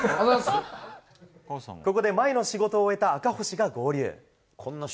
ここで前の仕事を終えた赤星が合流。